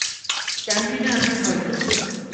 ক্যান্টিনে আছে হয়ত।